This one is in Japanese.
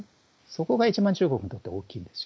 そこが一番中国にとって大きいんです。